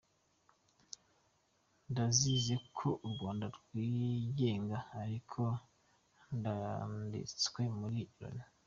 Ntaziseko u Rwanda rwigenga ariho rwanditswe muri loni ?